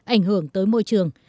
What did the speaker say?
ảnh hưởng tới môi trường